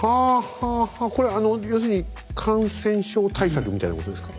これ要するに感染症対策みたいなことですか？